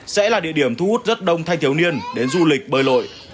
sẽ là địa điểm thu hút rất đông thanh thiếu niên đến du lịch bơi lội